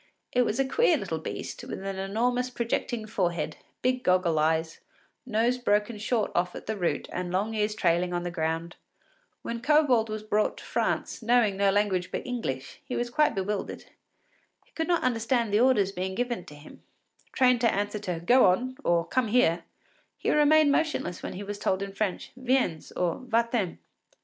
It was a queer little beast, with an enormous projecting forehead, big goggle eyes, nose broken short off at the root, and long ears trailing on the ground. When Kobold was brought to France, knowing no language but English, he was quite bewildered. He could not understand the orders given him; trained to answer to “Go on,” or “Come here,” he remained motionless when he was told in French, “Viens,” or “Va t’en.